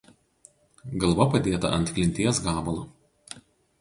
Galva padėta ant klinties gabalo.